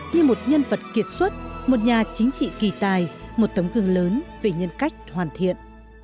như một nhân vật kiệt xuất một nhà chính trị kỳ tài một tấm gương lớn về nhân cách hoàn thiện